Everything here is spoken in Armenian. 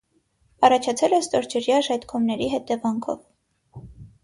Առաջացել է ստորջրյա ժայթքումների հետեանքով։